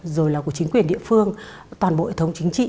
rồi là của chính quyền địa phương toàn bộ hệ thống chính trị